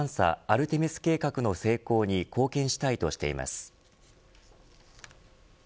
アルテミス計画の成功に貢献したいとしています。